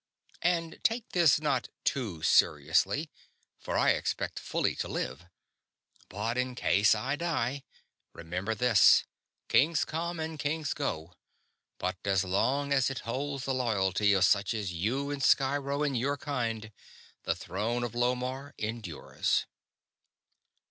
And take this not too seriously, for I expect fully to live. But in case I die, remember this: kings come and kings go; but as long as it holds the loyalty of such as you and Sciro and your kind, the Throne of Lomarr endures!"